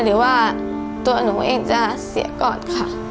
หรือว่าตัวหนูเองจะเสียก่อนค่ะ